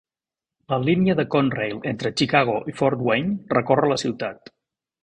La línia de Conrail entre Chicago i Fort Wayne recorre la ciutat.